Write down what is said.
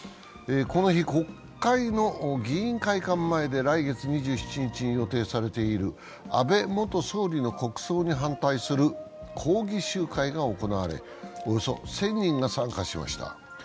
この日、国会の議員会館前で来月２７日に予定されている安倍元総理の国葬に反対する抗議集会が行われおよそ１０００人が参加しました。